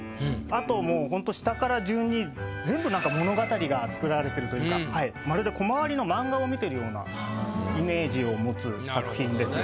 あともうほんと下から順に全部物語が作られてるというかまるでコマ割りの漫画を見てるようなイメージを持つ作品です。